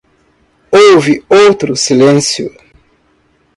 Houve outro silêncio.